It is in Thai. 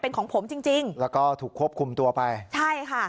เป็นของผมจริงจริงแล้วก็ถูกควบคุมตัวไปใช่ค่ะ